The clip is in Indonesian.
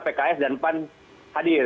pak sby dan pak pan hadir